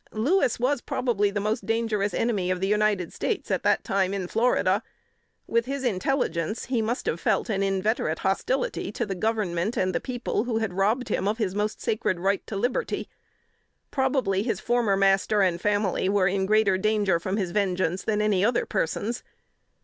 Louis was probably the most dangerous enemy of the United States at that time in Florida. With his intelligence, he must have felt an inveterate hostility to the Government and the people, who robbed him of his most sacred right to liberty. Probably his former master and family were in greater danger from his vengeance than any other persons.